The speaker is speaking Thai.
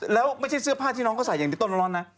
แล้วไม่ใช่เสื้อผ้าที่น้องเขาใส่อย่างที่ต้นร้อนนะ